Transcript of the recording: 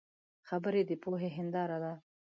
خبرې د پوهې هنداره ده